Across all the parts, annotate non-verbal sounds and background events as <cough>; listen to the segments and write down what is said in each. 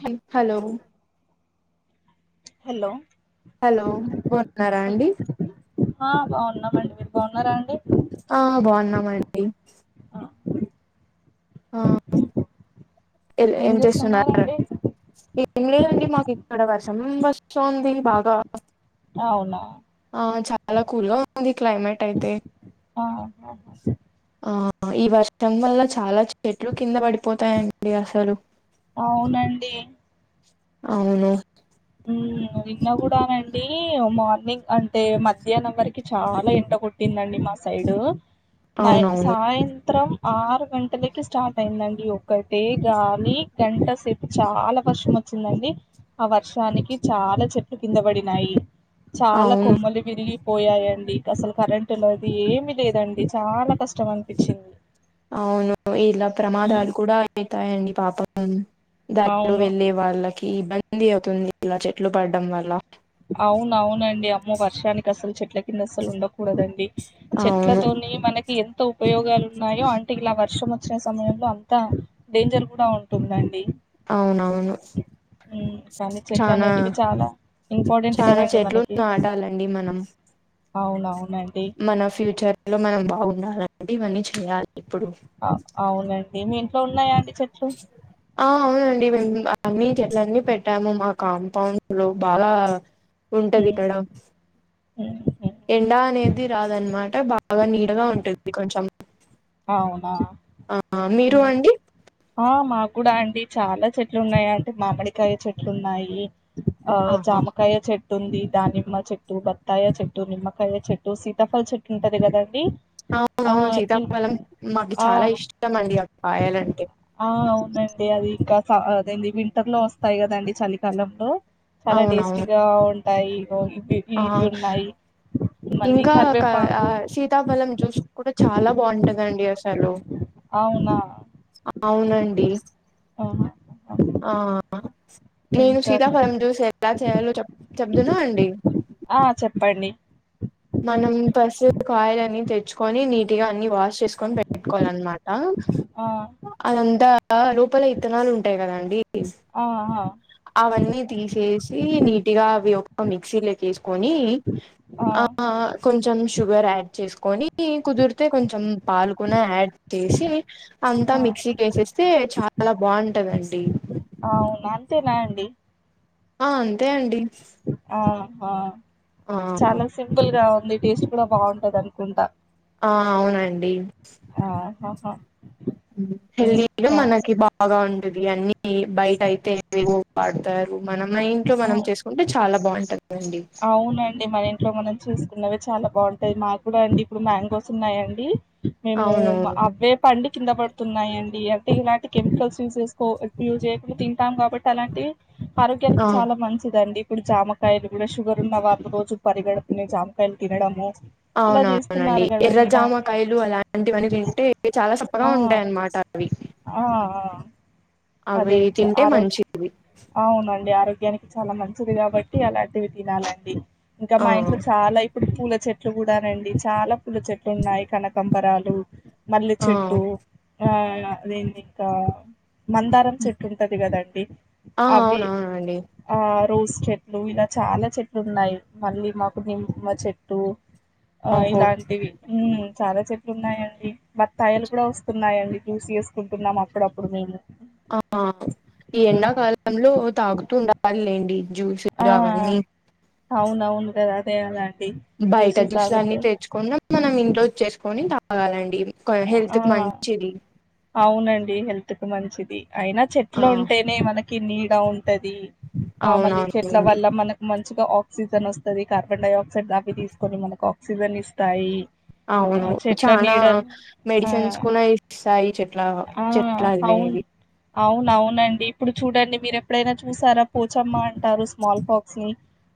హ్మ hello hello hello బాన్నారా అండి హా బావున్నామండి మీర్ బావున్నారా అండి మ <unintelligible> డి ఆ ఎవ్ ఏం ఏంచేస్తున్నారు చేస్తున్నారండి ఏం లేదండి మాకిక్కడ వర్ష చం వస్తోంది బాగా ఔనా ఆ చాలా కూల్గా ఉంది క్లైమేటైతే ఆహా ఆ అ ఇ వర్షం వల్ల చాలా చెట్లు కింద బడిపోతాయండి అసలు అవునండి ఔను ఉమ్ <inaudible> నిన్న గూడానండీ అ మార్నింగ్ అంటే మధ్యానం వర్కి చాలా ఎండ కొట్టిందండి మస్ సైడూ మాది అవునవును సాయంత్రం ఆరు గంటలకి స్టాటైందండి ఒకటే గాలీ గంట సేపు చాలా వర్షమొ చ్చిందండి అవర్ షానికి చాలా చెట్లు కింద పడినాయి చాలా అవును కొమ్మలు విరిగి పోయాయండి ఇకసలు కరెంట్ లేది ఏమి లేదండి చాలా కష్టమన్పిచ్చింది. ఔను ఇలా ప్రమాదాలు కూడా ఐతాయండి పాపం. దారిలో అవును వెళ్ళే వాళ్ళకి ఇబ్బంది అవుతుంది ఇలా చెట్లు పడడం వల్ల అవునవునండి అమ్మో వర్షానికి అసలు చెట్ల కింద అసలు ఉండకూడదండి అవును చెట్లతో మనకి ఎం ఎంత ఉపయోగాలు ఉన్నాయో అంటే ఇలా వర్షం వచ్చిన సమయంలో అంత డేంజర్ కూడా ఉంటుందండి అవునవును మ్ కానీ చనా చెట్లనేటివి చాలా ఇంపార్టెంట్ చానా కదండి చెట్లు మనకి నాటాలండి మనం అవునవ్ మన ఫ్యూచర్ లో మనం బాగుండాలండి ఇవన్నీ చేయాలి ఇప్పుడు ఆ అవునండి మీ ఇంట్లో ఉన్నాయా అండి చెట్లు ఆ అవునండి మేము అన్ని చెట్ల అన్ని పెట్టాము మా కాంపౌండ్ లో బాగ ఉంటది ఉమ్ ఇక్కడ ఉమ్ ఉమ్ ఎండా అనేది రాదన్నమాట బాగా నీడగా ఉంటుంది కొంచం అవునా మీరు అండి ఆ మాకు కూడా అండి చాలా చెట్లు ఉన్నాయండి మామిడికాయ చెట్లు ఉన్నాయి ఆ ఆహా జమకాయ చె టుంది దానిమ్మ చెట్టు బత్తాయ చెట్టు నిమ్మకాయ చెట్టు సీతాఫల చెట్టు ఉంటది కదండి ఆ అవునవును ఇం సీతాఫళం మాకు ఆ చాలా ఇష్టం అండి కాయాలంటే ఆ అవునండి అది ఇంకా అదేందీ వి టర్లో వస్తాయి కదండి చలికాలంలో చాలా అవునవును టేస్టీగా ఉంటాయి ఇగో ఇవి ఆ ఇవి ఉన్నాయి మళ్ళీ ఇంకా క ఆ కరివేపాకు సీతాఫలం జ్యూస్ కూడా చాలా బాగుంటందండి అసలు అవునా అవునండి ఆహా ఆ నేను ఇంకా సీతాఫలం జ్యూస్ ఎలా చేయాలో చెప్ చెబ్దునా అండి న్ని మనం పస్ కాయలన్నీ తెచ్చుకొని నీట్ గా అన్ని వాష్ చేసుకోని పెట్టువాలన్నమాట ఆ అదంతా లోపల ఇత్తనాలు ఉంటాయి కదం ఆహా అవన్నీ తీసేసి నీట్గా అవి ఒక మిక్సీలోకేసుకొని ఆ కొంచెం షుగర్ యాడ్ చేసుకొని ని కుదిరితే కొంచం పాలుకున యాడ్ చేసి అంతా ఆ మిక్సీకేస్తే చ చాలా బాగుంటాందండి అవు అేనా అండి ఆ అంతే అండి ఆహా ఆ చాలా సింపుల్ గా ఉంది టేస్ట్ కూడా బాగుంటదనుకుంటా ఆ అవునండి ఆహహా హెల్ీగా మనకి బాగా ఉంటది అన్ని బై అయితే ఏవోవో పాడుతారు మనమే ఇంట్లో మనం ఆ, చేసుకుంటే చాలా బాగుంటదండి అవునండి మన ఇంట్లో మనం చూసుకున్నవే చాలా బాగుంటాయి మాకు కూడా అండి ఇప్పుడు మ్యాంగోస్ ఉన్నాయండి మేము అవునవును అవ్వే పండి కింద పడుతున్నాయండి అంటే ఇలాంటి కెమికల్స్యూ్ చేసుకో యూజ్ చేయకుండా తింటాం కాబట్టి అలాంటివి ఆ ఆరోగ్యానికి చాలా మంచిదండి ఇప్పుడు జామకాయలు కూడా షుగర్ ఉన్నవాళ్ళు రోజు పరిగడుపూనె జామకాయలు తినడము ఇలా అవునవునండి చేస్తున్నారు కదండి. ఇలా ఎర్రజామకాయలు అలాంటివన్ని తింటే చాలా సప్పగా ఆ! ఉంటాయి అన్నమాట అవి ఆ! ఆ అవి అదే తింటే ఆరో మంచిది అవునండి ఆరోగ్ గ్యనికి చాలా మంచిది కాబట్టి అలాంటివి తినాలండి ఇంకా ఆ మా ఇంట్లో చాలా ఇప్పుడు పూల చెట్లు కూడానండి చాలా పూల చెట్లు ఉన్నాయి కనకంబరాలు మల్లె ఆ చెట్టు ఆ అదేంది ఇంకా మందారం చెట్టు ఉంటది కదండి ఆ అవ్వి అవునవునండి ఆ రోస్ చెట్లు ఇలా చాలా చెట్లు ఉన్నాయి మళ్ళీ మాకు నిమ్మ చెట్టు ఆ ఓహో ఇలాంటివి ఉమ్ చాలా చె ఉన్నాయండి బత్తాయలు కూడా వస్తున్నాయండి జ్యూసి చేసుకుంటున్నాం అప్పుడప్పుడు మేము ఆ ఈ హ్మ్. ఎండాకాలంలో తాగుతూ ఉండాలి లే ఆ అవున అవును కదా అదే అల బయట జ్యూస్లు అన్ని తెచ్చుకున్న మనం ఇంట్లోది చేసుకొని తాగాలండి ఆ హెల్త్ కి మంచిది అవునండి హెల్త్ మంచిది అయినా ఆ చెట్లు ఉంటేనే మనకి నీడ ఉ టది ఆ మళ్ళీ చెట్ల అవునవునండి వల్ల మనకు మం చిమగా ఆక్సిజన్ వస్తది కార్బన్ డై ఆక్సైడ్ దాన్ని తీసుకొని మనకు క్సిజన్ ఇస్తాయి అవును ఆ చెట్ల చానా నీడల్ మెడిసిన్స్ కూడా ఇస్తాయి చెట్లా ఆ! అవును. చెట్లవేవి అవునవునండి ఇప్పుడు చూడండి మీరు ఎప్పుడైనా చూసారా పూచమ్మ అంటారు స్మాల్ ఫాక్స్ ని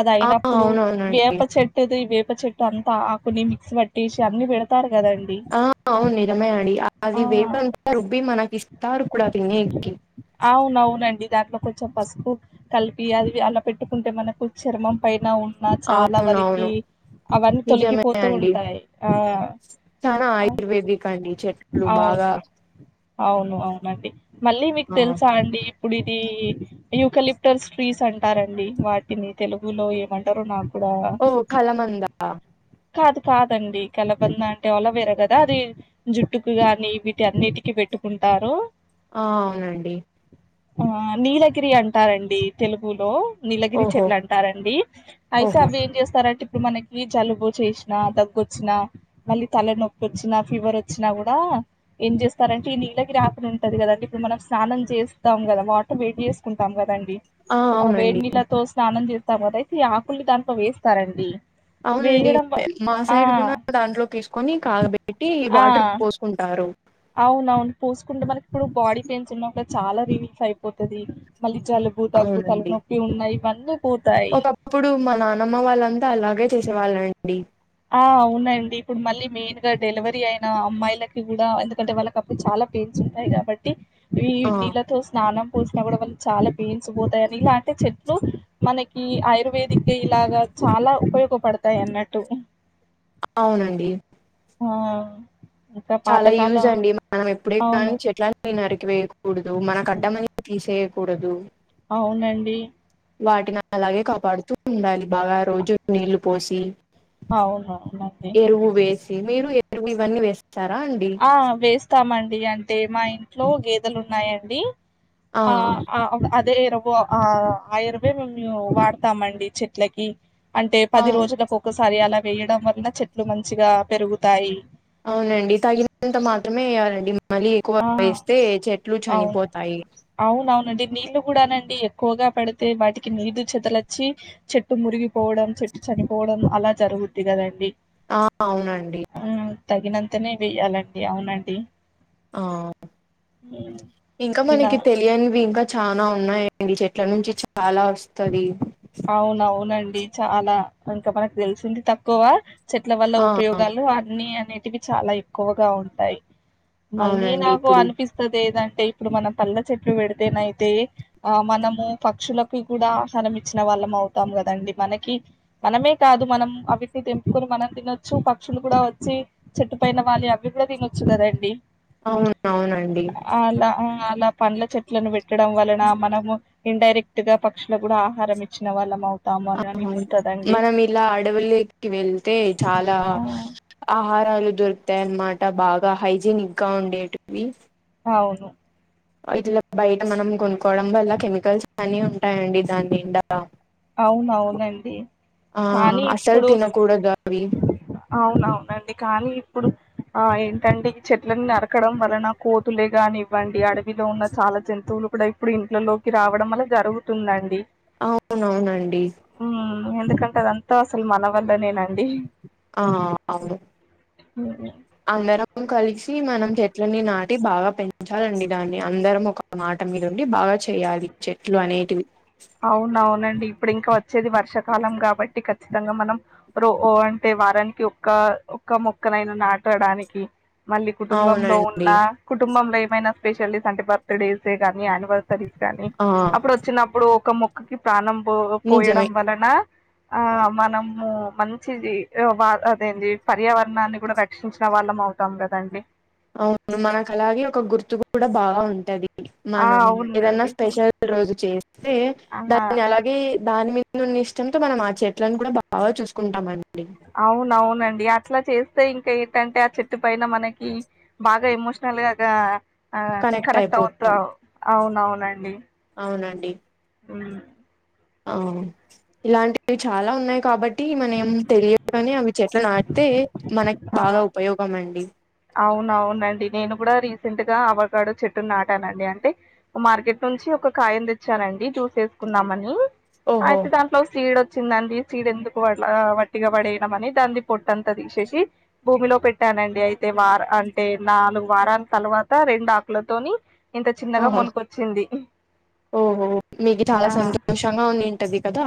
అది ఆ అయినప్పుడు అవునవునండి వేప చెట్టుది వే ప్ప చెట్టు అంతా ఆకుని మిక్స్ పట్టేసి అన్ని పెడతారు కదండి అవున్ నిజమేడి అది వేపంత రుబ్బి మనకి ఇస్తారు కూడా తినే అవునవునండి. దాంట్లో కొంచెం పసుపు కలిపి అది అలా పెట్టుకుంటే మనకు చర్మం పైన ఉం చాలా వరకి అవునవును అవన్నీ నిజమే తొలగిపోతూ అండి ఉంటాయి ఆ చానా అ ఆయుర్వేదిక్ అండి చెట్లు అవును. బాగా అవును అవునండి మళ్ళీ మీక్ ఆ తెలుసా అండి ఇప్పుడిది యూకలిప్టర్స్ ట్రీస్ అంటారండి వాటిని తెలుగులో ఏమంటారు నాకు కూడా ఓ కలమంద కాదు కాదండి కలబంద అంటే అలోవేర గదా అది జుట్టుకు గాని ఇవ్విటి అన్నిటి కి పెట్టుకుంటారు ఆ అవునండి ఆ నీలగిరి అంటారండి తెలుగులో నీలగిరి ఓహో చెట్లంటారండి అయితే ఓహో అవి ఏం చేస్తారంటే ఇప్పుడు మనకి జలుబు చేసినా తగ్గొచ్చినా మళ్ళీ తల నొప్పి వచ్చిన ఫీవర్ వచ్చినా కూడా ఏం చేస్ సరంటే ఈ నీలగిరాకుడ ఉంటది కదండి ఇప్పుడు మనం స్నానం చేస్తాం కదా వాటర్ వెడి చేసుకుంటాం కదండి ఆ వేడిలతో స్నానం చేస్తామదయితే ఈ ఆకుల్ని దాంట్లో వేస్తారండి అవునండి వేయడం వ మా ఆ! సైడ్ కూడా దాంట్లో తీసుకొని కాగబెట్టి వాటర్ పోసుకుంటారు అవున అవును పోసుకుంటే మనకి ఇప్పుడు బాడీ పెయిన్స్ ఉన్నా కూడా చాలా రిలీఫ్ అయిపోతది మళ్ళీ జలుబు దగ్గు తల అవునండి నొప్పి ఉన్నా ఇవన్నీ పోతాయి. ఒకప్పుడు మా నానమ్మ వాళ్ళంతా అలాగే చేసేవాళ్ళండి ఆ అవునండి ఇప్పుడు మళ్ళీ మెయిన్ గా డెలివరీ అయిన అమ్మాయిలకి కూడా ఎందుకంటే వాళ్ళకి అప్పుడు చాలా పెన్స్ ఉంటాయి కాబట్టి ఈ ఆ నీళ్ళతో స్నానం పోసినా కూడా వాళ్ళ చాలా పెయిన్స్ పోతాయని ఇలా అంటిే చెట్లు మనకి ఆయుర్వ వేదిక ఇలాగా చాలా ఉపయోగపడతాయి అన్నట్టు అవునండి ఆ ఇంకా చాలా యూజ్ పాతకాలం అండి మనం ఎప్పుడే అవును. కాని చేట్లని నరికివేయ కూడదు మనకడ్డం అని తీసేయకూడదు అవునండి వాటిని అలాగే కాపాడుతూ ఉండాలి బాగా రోజు నీళ్లు పోసి అవునవునండి ఎరువు వేసి మీరు ఇవన్నీ వేస్ ఆ వేస్తామండి అంటే మా ఇంట్లో గేదెలు ఉన్నాయండి ఆ ఆ అదే ఆ ఆయుర్వేదం మేము వాడుతామండి చెట్లకి అంటే పది అవు రోజులకు ఒకసారి అలా వేయడం వల్ల చెట్లు మంచిగా పెరుగుతాయి అవునండి తగినంత మాత్రమే వేయాలండి మళ్ళీ ఎక్కువ ఆ! వేస్తే చెట్లు చనిపోతాయి కూడానండి ఎక్కువగా పెడితే వాటికి నీదు చెదలొచ్చి చెట్టు మురిగిపోవడం చెట్టు చనిపోవడం డం అలా జరుగుద్ది కదండి ఆ అవునండి తేనే వేయాలండి అవునండి ఆ హ్మ్. ఇంకా ఇలా మనకి తెలియనివి ఇంకా చనా ఉన్నాయం అవి చెట్ల నుంచి చాలా వస్తది అవునవునండి చాలా ఇంకా మనకు తెలిసింది తక్కువ చెట్ల వల్ల ఆ ఉపయోగాలు అన్నిీ అనేటివి చాలా ఎక్కువగా ఉంటాయి మళ్ళీ అవునండి నాకు ఇప్పుడు అనిపిస్తదేదం అ ఇప్పుడు మనం పల్ల చెట్లు పెడితేనైతే ఆ మనము పక్షులకు కూడా ఆహారం ఇచ్చిన వాళ్ళం అవుతాం కదండి మనకి మనమే కాదు మనం అవిటిని తెంపుకొని మనం తినొచ్చు ప క్షులు కూడా వచ్చి చెట్టుపోన వాలీ అవి కూడా తినొచ్చు కదండి అవును అవునండి అలా మ్ అలా పండ్ల చెట్లను పెట్టడం వలన మనము ఇండైరెక్ట్ గా పక్షులకు కూడా ఆహారం ఇచ్చిన వాళ్ళమౌ ఆ మనం ఇలా అడవుల్లోకి వెళ్తే చాలా ఆ ఆహారాలు దొరుకుతాయన్నమాట బాగా హైజీనిక్ గా ఉండేటివి అవును ఇట్లా బయట మనం కొనుక్కోవడం అల్ల కెమికల్స్ అన్ని ఉంటాయండి దానిండా అవునవునండి ఆ కానీ అసలు ఇప్పుడు తినకూడదు అవి అవునవునండి కానీ ఇప్పుడు ఆ ఏంటండి ఈ చెట్లలను నరకడం వలన కోతులే కనివ్వండి అడవిలో ఉన్న చాలా జంతువులు ఇప్పుడే ఇప్పుడు ఇంట్లోకి రావడం వల్ల జరుగుతుందండి అవునవునండి హ్మ్ ఎందుకంటే అదంతా అసలు మన వల్లనేనండి ఆ అవును హ్మ్. అందరం కలిసి మనం చె ట్లని నాటి బాగా పెం ఉంచాలండి దాన్ని అందరం ఒక మాట మీద ఉండి బాగా చేయాలి చెట్లు అనేటివి అవునవునండి ఇప్పుడు ఇంకా వచ్చేది వర్షకాలం కా బట్టి ఖచ్చితంగా మనం రో అంటే వారానికి ఒక్క ఒక్క మొక్కనైనా నాటడానికి మళ్ళీ కుటుంబంలో ఉన్న అవునండి కుటుంబంలో ఏమైనా స్పెషల్స్ అంటే బర్త్ డేసే కానీ యానివర్ సరిక్ కానీ ఆ అప్పుడు వచ్చినప్పుడు ఒక మొక్కకి ప్రాణం పో నిజమే పోయడం వలన ఆ మనము మంచిది ఒక అదేంది పర్యావరణాన్ని కూడా రక్షించిన వాళ్ళం మౌతాం కదండి అవును మనకలాగే ఒక గుర్తు కూడా బాగా ఉంటది ఆ మనం ఏదన్నా అవునండి. స్పెషల్ రోజు చేస్తే ఆ దాన్ని అలాగే దాని మీ నున్న ఇష్టంతో మనం ఆ చెట్లను కూడా బాగా చూసుకుంటామం అవునవునండి అట్లా చేస్తే ఇంకా ఏంటంటే ఆ చెట్టు పైన మనకి బాగా ఎమోషనల్ గాగా ఆ కనెక్ట్ అవుత అవునవునండి అవునండి మ్ ఆ ఇలాంటివి చాలా ఉన్నాయి కాబట్టి మనం తెలియగానే అవి చెట్లు నాటితే మనకు ఆ! బాగా ఉపయోగం అండి అవునవునండి నేను కూడా రీసెంట్ గా అవకాడో చెట్టు నాటానండి అంటే మార్కెట్ అనేసి ఒక కాయను తెచ్చనండి జ్యూస్ చేసుకుందామని ఓహో అయితే దాంట్లో సిడో చిందండి చీడెందుకు అట్లా వట్టిగా పడేయడం అని దంన్ని పొట్టంతా తీసేసి భూమిలో పెట్టానండి అయి టే వార్ అంటే నాలుగు వారాల తర్వాత రెండు ఆకులతోని ట చిన్నగా ఓహో మొలకొచ్చింది ఓహో మీకు చాలా ఆ! సంతోషంగా ఉండింటది కదా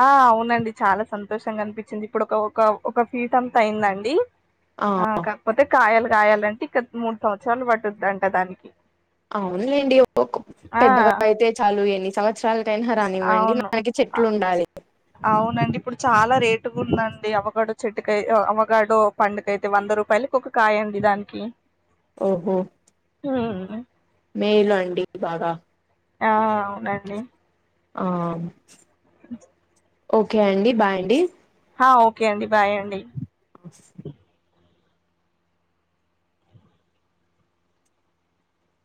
ఆ అవునండి చాలా సంతోషంగా అనిపించింది ఇప్పుడు ఒక ఒక ఒక ఫీట అంతా అయిందండి ఆ కాకపోతే కాయలు కాయాలంటే ఇంకా మూడు సంవత్సరాలు పట్టుదంట దానికి అవునులేండి ఒక ఆ! పెద్దగా అయితే చాలు ఎన్ని సంవత్సరాలకైనా కానివ్వండి అవును మనకి అ చెట్లు ఉండాలి అవునండి ఇప్పుడు చాలా రేటుగా ఉందండి అవకడో చెట్టుకాయ్ అవకాడో పండుకైతే వన్ వంద రూపాయలకి ఒక కాయండి దానికి ఓహో మ్ మెయిలు అండి బాగా ఆ అవునండి ఆ అ ఓకే అండి బాయ్ అండి అ ఓకే అండి బాయ్ అండి స్